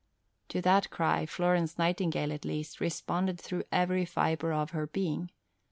To that cry, Florence Nightingale, at least, responded through every fibre of her being.